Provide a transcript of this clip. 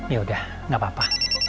yaudah nggak apa apa